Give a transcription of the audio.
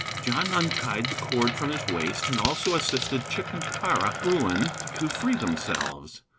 John untied the cord from his waist, and also assisted Chick and Para Bruin to free themselves.